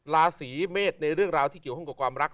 ราศีเมษในเรื่องราวที่เกี่ยวข้องกับความรัก